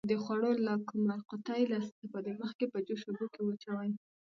د خوړو لاکمُر قوطي له استفادې مخکې په جوش اوبو کې واچوئ.